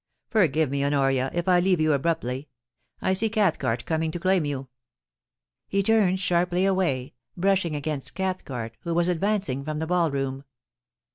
Forgive me, Honoria, if I leave you abruptly. I see Cathcart coming to claim you.' He turned sharply away, brushing against Cathcart, who. was advancing from the ball room.